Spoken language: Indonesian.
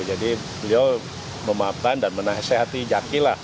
jadi beliau memaafkan dan menasehati jaki lah